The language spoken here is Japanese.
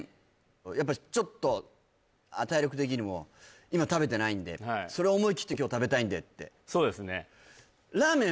やっぱりちょっと体力的にも今食べてないんでそれを思い切って今日食べたいんでってそうですねラーメン